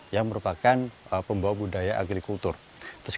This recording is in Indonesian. yang memiliki bauran genetik latar belakang genetik dari austronesia